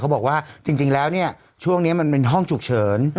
บอกว่าจริงแล้วเนี่ยช่วงนี้มันเป็นห้องฉุกเฉิน